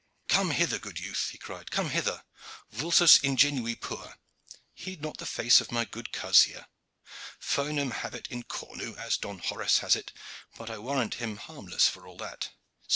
"Come hither, good youth," he cried, "come hither! Vultus ingenui puer. Heed not the face of my good coz here. Foenum habet in cornu, as Don Horace has it; but I warrant him harmless for all that."